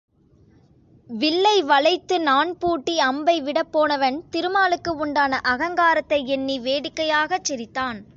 வில்லை வளைத்து, நாண் பூட்டி, அம்பை விடப் போனவன், திருமாலுக்கு உண்டான அகங்காரத்தை எண்ணி வேடிக்கையாகச் சிரித்தான்.